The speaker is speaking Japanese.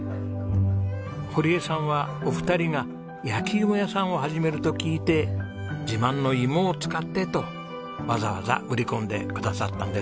堀江さんはお二人が焼き芋屋さんを始めると聞いて「自慢の芋を使って！」とわざわざ売り込んでくださったんです。